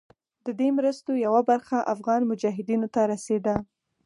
د دې مرستو یوه برخه افغان مجاهدینو ته رسېده.